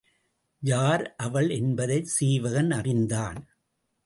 யார் அவள் என்பதைச் சீவகன் அறிந்தான்.